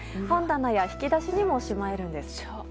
本棚や引き出しにもしまえるんです。